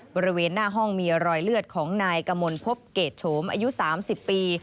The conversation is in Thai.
บริเวณหน้าห้องมีรอยเลือดของนายกมลพบเกรดโฉมอายุ๓๐ปี